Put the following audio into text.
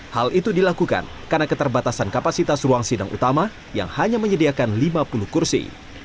hal itu dilakukan karena keterbatasan kapasitas ruang sidang utama yang hanya menyediakan lima puluh kursi